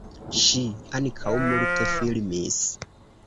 Ŝi ankaŭ multe filmis.